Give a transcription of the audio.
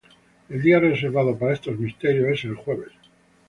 El día reservado para estos misterios es el jueves.